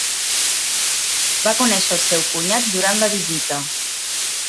Va conèixer el seu cunyat durant la visita.